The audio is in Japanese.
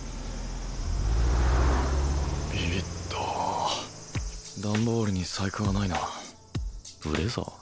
ビビったあ段ボールに細工はないなブレザー？